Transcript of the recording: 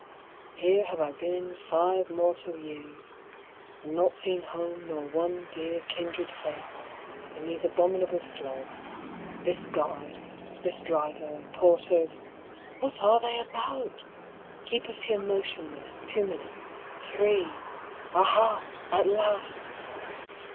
Here have I been five mor tal years and not seen home nor one dear kindred face, and these abominable slugs, this guard, this driver, porters — what are they about? — keep us here motionless, two minutes, three. — Aha! at last!